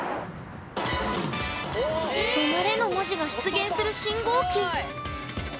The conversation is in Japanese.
「止マレ」の文字が出現する信号機。